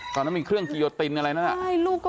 ตอนนั้นมีเครื่องกิโยชน์ตินอะไรนะ